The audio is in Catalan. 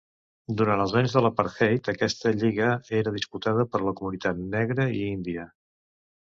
Durant els anys de l'apartheid aquesta lliga era disputada per la comunitat negra i índia.